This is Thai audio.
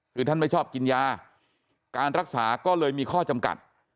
คือท่านไม่ชอบกินยาการรักษาก็เลยมีข้อจำกัด